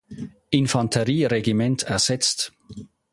Infanterieregiment ersetzt.